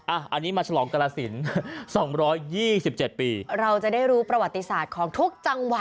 อันนี้มาฉลองกรสินส์สองร้อยยี่สิบเจ็ดปีเราจะได้รู้ประวัติศาสตร์ของทุกจังหวัด